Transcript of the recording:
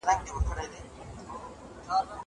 که وخت وي، ليکلي پاڼي ترتيب کوم.